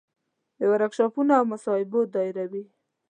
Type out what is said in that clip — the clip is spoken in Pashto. د ورکشاپونو او مصاحبو دایروي.